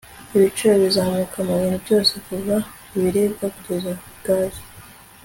ibiciro bizamuka mubintu byose kuva ibiribwa kugeza gaze